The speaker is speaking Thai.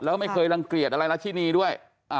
แล้วไม่เคยรังเกียจอะไรรัชินีด้วย